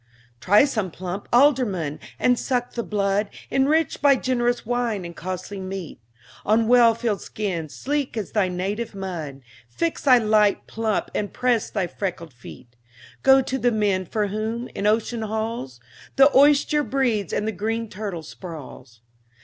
Try some plump alderman, and suck the blood Enriched by generous wine and costly meat; On well filled skins, sleek as thy native mud, Fix thy light pump, and press thy freckled feet. Go to the men for whom, in ocean's halls, The oyster breeds and the green turtle sprawls.